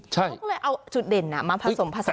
เขาก็เลยเอาจุดเด่นมาผสมผสาน